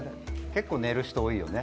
結構、寝る人多いよね